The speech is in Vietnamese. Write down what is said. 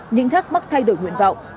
những thắc mắc thay đổi nguyện vọng